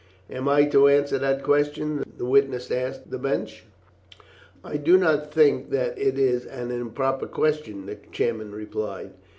"Am I to answer that question?" the witness asked the bench. "I do not think that it is an improper question," the chairman replied.